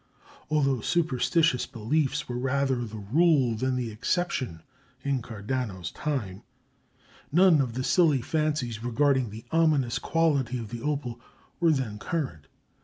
Although superstitious beliefs were rather the rule than the exception in Cardano's time, none of the silly fancies regarding the ominous quality of the opal were then current.